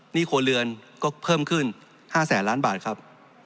ครัวเรือนก็เพิ่มขึ้น๕แสนล้านบาทครับ